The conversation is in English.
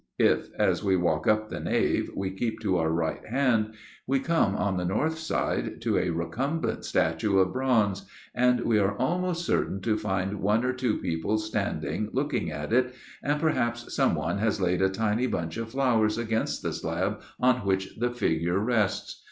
If, as we walk up the nave, we keep to our right hand, we come, on the north side, to a recumbent statue of bronze, and we are almost certain to find one or two people standing looking at it, and perhaps someone has laid a tiny bunch of flowers against the slab on which the figure rests.